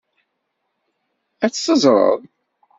Ad tt-teẓreḍ.